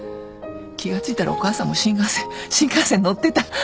気が付いたらお母さんも新幹線新幹線乗ってた。